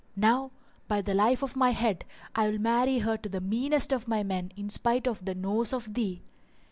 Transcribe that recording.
Now, by the life of my head I will marry her to the meanest of my men in spite of the nose of thee!